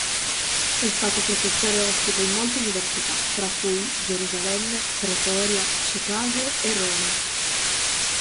È stato professore ospite in molte Università, fra cui: Gerusalemme, Pretoria, Chicago e Roma.